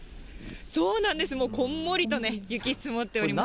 そうなんです、こんもりと雪積もっております。